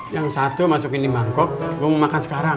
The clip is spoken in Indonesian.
yang satu masukin di mangkok gue mau makan sekarang